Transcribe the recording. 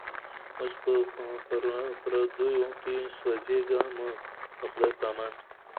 اوس په پردیو کي سوځېږمه د خدای په امان